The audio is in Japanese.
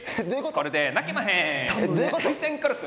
これで泣けまへん！